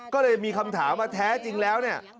ก็เลยมีคำถามว่าแท้จริงแล้วเนี่ย